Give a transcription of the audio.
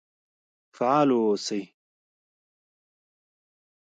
فعال و اوسئ